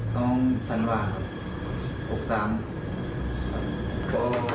พรุ่งศัลวนะครับ